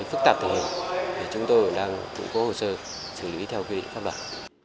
phức tạp thể hiện chúng tôi đang tự cố hồ sơ xử lý theo quy định pháp luật